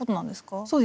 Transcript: そうですね。